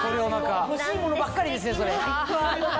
欲しいものばっかりですねそれ。